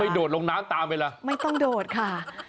โดดลงน้ำตามไปล่ะไม่ต้องโดดค่ะ